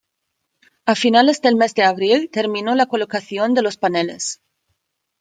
A finales del mes de abril terminó la colocación de los paneles.